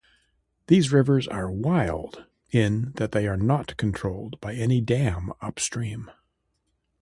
These rivers are 'wild', in that they are not controlled by any dam upstream.